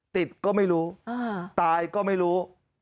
ติดก็ไม่รู้ตายก็ไม่รู้